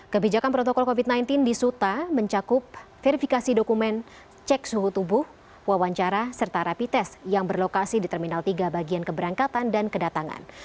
kebijakan protokol covid sembilan belas di suta mencakup verifikasi dokumen cek suhu tubuh wawancara serta rapi tes yang berlokasi di terminal tiga bagian keberangkatan dan kedatangan